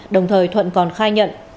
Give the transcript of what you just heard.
đồng thời thuận còn khai nhận